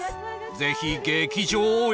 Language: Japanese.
ぜひ劇場へ